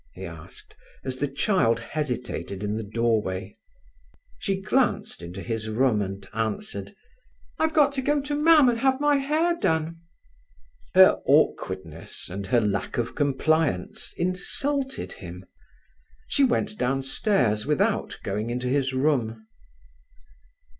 he asked, as the child hesitated in the doorway. She glanced into his room, and answered: "I've got to go to mam and have my hair done." Her awkwardness and her lack of compliance insulted him. She went downstairs without going into his room.